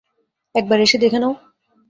একবার এসে দেখে নাও।